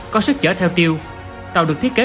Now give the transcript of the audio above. có sức chở theo tiêu tàu được thiết kế